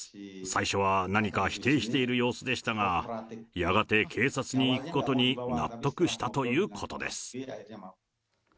最初は何か否定している様子でしたが、やがて警察に行くことに納得したということです。